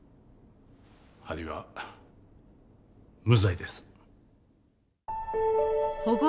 アリは無罪です。